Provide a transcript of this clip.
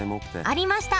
ありました！